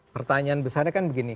pertanyaan besarnya kan begini